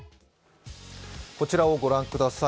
こちらをご覧ください。